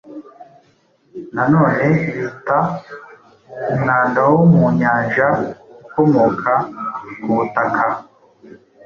nanone bita umwanda wo mu Nyanja ukomoka kubutaka –